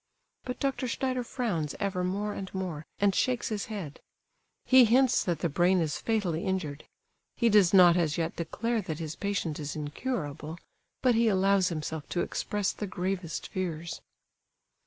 But Dr. Schneider frowns ever more and more and shakes his head; he hints that the brain is fatally injured; he does not as yet declare that his patient is incurable, but he allows himself to express the gravest fears.